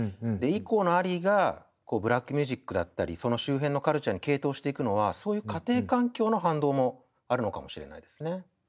以降のアリーがこうブラックミュージックだったりその周辺のカルチャーに傾倒していくのはそういう家庭環境の反動もあるのかもしれないですね。